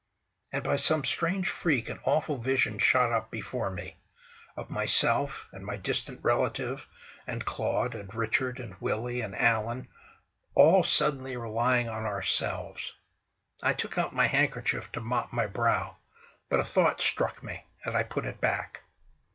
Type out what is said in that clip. And by some strange freak an awful vision shot up before me—of myself, and my distant relative, and Claud, and Richard, and Willie, and Alan, all suddenly relying on ourselves. I took out my handkerchief to mop my brow; but a thought struck me, and I put it back.